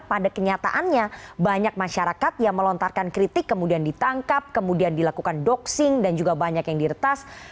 pada kenyataannya banyak masyarakat yang melontarkan kritik kemudian ditangkap kemudian dilakukan doxing dan juga banyak yang diretas